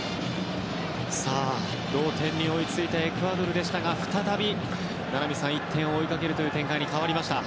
同点に追いついたエクアドルでしたが名波さん、再び１点を追いかける展開になりました。